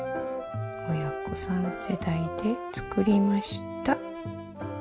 親子３世代で作りました。